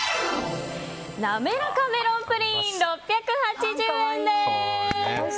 なめらかメロンプリン６８０円です。